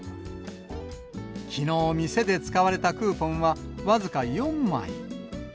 きのう、店で使われたクーポンは僅か４枚。